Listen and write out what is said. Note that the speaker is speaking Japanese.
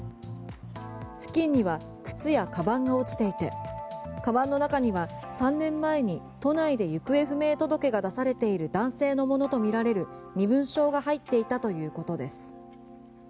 付近には靴やカバンが落ちていてカバンの中には３年前に都内で行方不明届が出されている男性のものとみられる身分証が入っていたということです。